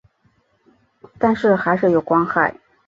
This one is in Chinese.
但是还是有光害